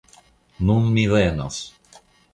Nun mi venos!